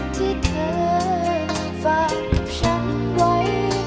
ที่เธอฝากฉันไว้